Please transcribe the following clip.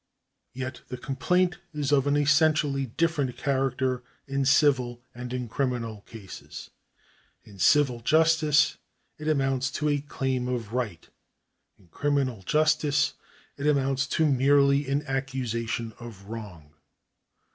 Yet the complaint is of an essentially different character in civil and in criminal cases. In civil justice it amounts to a claim of right ; in criminal justice it amounts merely to an accusation of wrong.